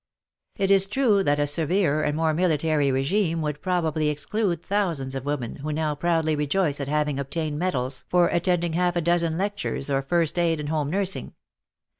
It is true that a severer and more military regime would probably exclude thousands of women who now proudly rejoice at having obtained medals for attending half a dozen lectures on first aid and home nursing.